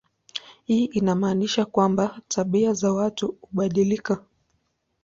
Hii inamaanisha kwamba tabia za watu hubadilika.